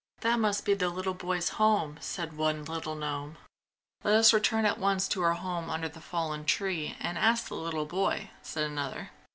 "That must be the little boy's home!" said one little gnome. "Let us return at once to our home under the fallen tree and ask the little boy!" said another.